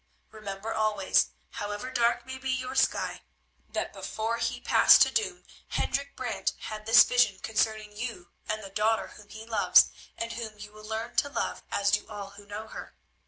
Remember always, however dark may be your sky, that before he passed to doom Hendrik Brant had this vision concerning you and the daughter whom he loves, and whom you will learn to love as do all who know her.